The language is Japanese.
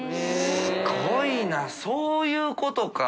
すごいなそういうことか。